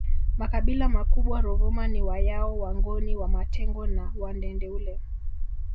Makabila makubwa Ruvuma ni Wayao Wangoni Wamatengo na Wandendeule